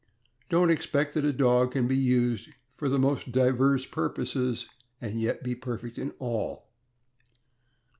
Don't expect that a dog can be used for the most diverse purposes and yet be perfect in all.